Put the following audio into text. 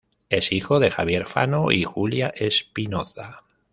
Es hijo de Javier Fano y Julia Espinoza.